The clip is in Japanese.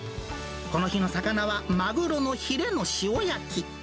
この日の魚は、マグロのヒレの塩焼き。